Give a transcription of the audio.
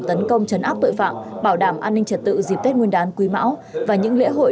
tấn công chấn áp tội phạm bảo đảm an ninh trật tự dịp tết nguyên đán quý mão và những lễ hội